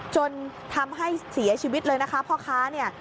จนทำให้เสียชีวิตเลยนะคะพ่อค้าเนี่ย